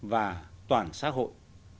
và toàn xã hội